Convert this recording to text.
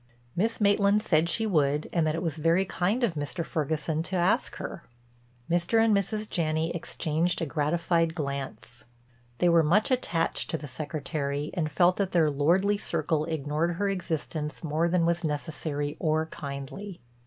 Miss Maitland said she would and that it was very kind of Mr. Ferguson to ask her. Mr. and Mrs. Janney exchanged a gratified glance; they were much attached to the Secretary and felt that their lordly circle ignored her existence more than was necessary or kindly.